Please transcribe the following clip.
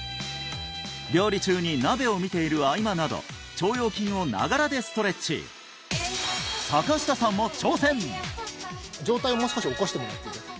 料理中に鍋を見ている合間など腸腰筋をながらでストレッチ上体をもう少し起こしてもらっていいですか？